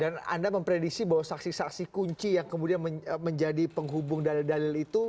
dan anda memprediksi bahwa saksi saksi kunci yang kemudian menjadi penghubung dalil dalil itu